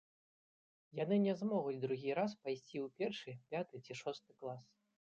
Яны не змогуць другі раз пайсці ў першы, пяты ці шосты клас.